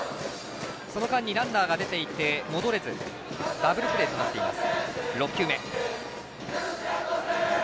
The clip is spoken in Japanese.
その間にランナーが出ていて戻れずダブルプレーとなっています。